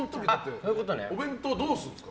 お弁当をどうするんですか？